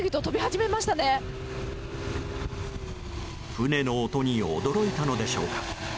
船の音に驚いたのでしょうか。